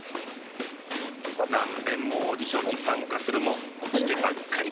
何べんもオーディションに参加するも落ちてばっかり。